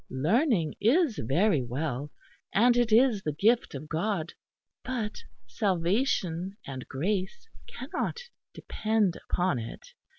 Learning is very well, and it is the gift of God; but salvation and grace cannot depend upon it.